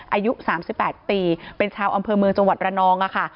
อายุ๓๘ปีเป็นชาวอำเภอเมืองจังหวัดระนองค่ะ